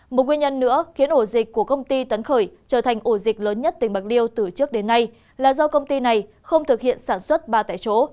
một nguyên nhân nữa khiến ổ dịch của công ty tấn khởi trở thành ổ dịch lớn nhất tỉnh bạc liêu từ trước đến nay là do công ty này không thực hiện sản xuất ba tại chỗ